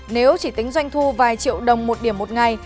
nếu chỉ tính doanh thu vài triệu đồng một điểm một ngày